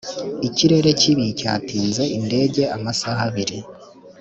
ikirere kibi cyatinze indege amasaha abiri.